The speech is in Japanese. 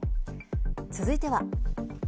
続いては。